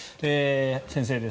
先生です。